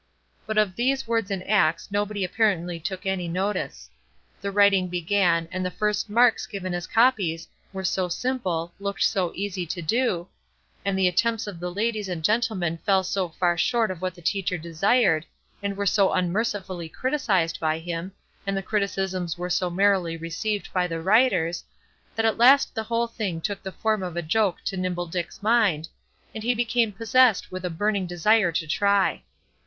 But of these words and acts nobody apparently took any notice. The writing began, and the first marks given as copies were so simple, looked so easy to do, and the attempts of the ladies and gentlemen fell so far short of what the teacher desired, and were so unmercifully criticised by him, and the criticisms were so merrily received by the writers, that at last the whole thing took the form of a joke to Nimble Dick's mind, and he became possessed with a burning desire to try.